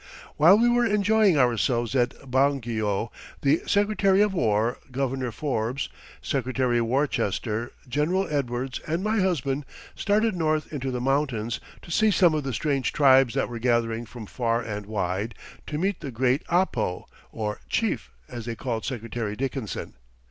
While we were enjoying ourselves at Baguio, the Secretary of War, Governor Forbes, Secretary Worcester, General Edwards, and my husband started north into the mountains to see some of the strange tribes that were gathering from far and wide to meet the great Apo, or chief, as they called Secretary Dickinson.